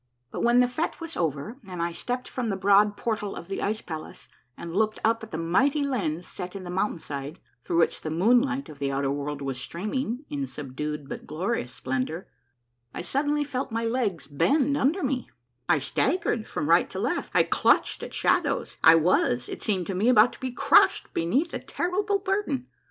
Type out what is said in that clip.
But when the fete was over and I stepped from the broad por tal of the ice palace and looked up at the mighty lens set in the mountain side, through which the moonlight of the outer world was streaming in subdued but glorious splendor, I suddenly felt my legs bend under me, I staggered from right to left, I clutched at shadows, I was, it seemed to me, about to be crushed beneath a terrible burden.